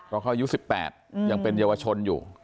เพราะเขายุดสิบแปดอืมยังเป็นเยาวชนอยู่